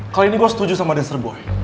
kali ini gue setuju sama dancer boy